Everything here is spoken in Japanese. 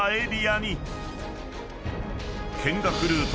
［見学ルート